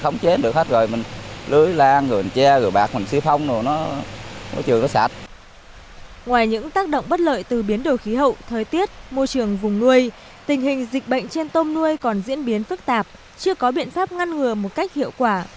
ngoài những tác động bất lợi từ biến đổi khí hậu thời tiết môi trường vùng nuôi tình hình dịch bệnh trên tôm nuôi còn diễn biến phức tạp chưa có biện pháp ngăn ngừa một cách hiệu quả